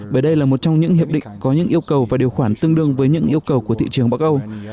bởi đây là một trong những hiệp định có những yêu cầu và điều khoản tương đương với những yêu cầu của thị trường bắc âu